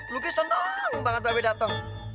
lo kayak seneng banget babe dateng